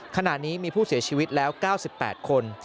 ขณะนี้มีผู้เสียชีวิตแล้ว๙๘คน